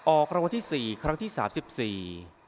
ออกรางวัลที่สี่ครั้งที่สามสิบสี่